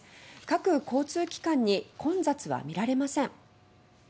各交通機関に混雑は見られません。